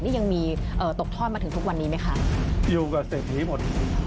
นี่ยังมีเอ่อตกทอดมาถึงทุกวันนี้ไหมคะอยู่กับเศรษฐีหมด